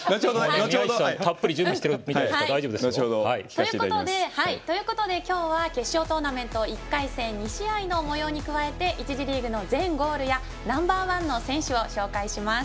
後程たっぷり準備してあるので大丈夫です。ということで、今日は決勝トーナメント１回戦２試合のもように加えて１次リーグの全ゴールやナンバー１の選手を紹介します。